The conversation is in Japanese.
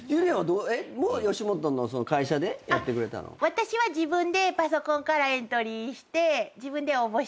私は自分でパソコンからエントリーして。